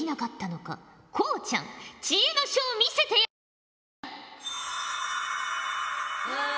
こうちゃん知恵の書を見せてやるのじゃ。